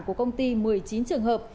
của công ty một mươi chín trường hợp